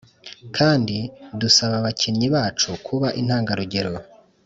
kandi dusaba abakinnyi bacu kuba intangarugero.